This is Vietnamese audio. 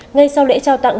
ngay sau lễ trao tặng